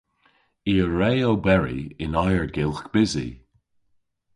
I a wre oberi yn ayrgylgh bysi.